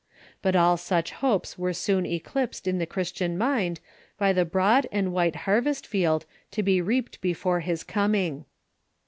But all such hopes were soon eclipsed in the Christian mind by the broad and white haiwest field to be reaped before his coming.